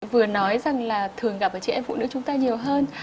vừa nói rằng là thường gặp ở chị em phụ nữ chúng ta nhiều hơn